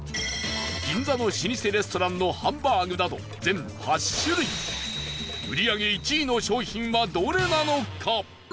銀座の老舗レストランのハンバーグなど、全８種類売り上げ１位の商品はどれなのか？